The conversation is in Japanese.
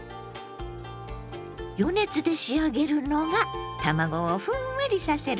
余熱で仕上げるのが卵をふんわりさせるコツなのよ。